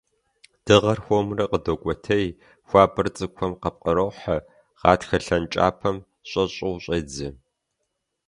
Дыгъэр хуэмурэ къыдокӀуэтей, хуабэр цӀыкӀухэм къапкърохьэ, гъатхэ лъэнкӀапӀэм щӀэщӀэу щӀедзэ.